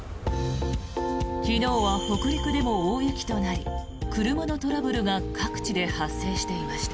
昨日は北陸でも大雪となり車のトラブルが各地で発生していました。